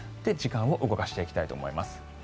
時間を動かしていきたいと思います。